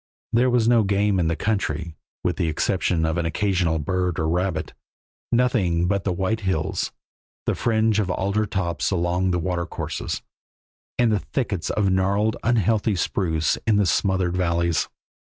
There was no game in the country, with the exception of an occasional bird or rabbit, nothing but the white hills, the fringe of alder tops along the watercourses, and the thickets of gnarled, unhealthy spruce in the smothered valleys.